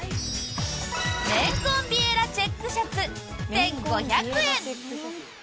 綿混ビエラチェックシャツ１５００円。